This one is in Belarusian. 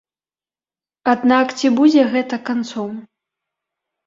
Аднак ці будзе гэта канцом?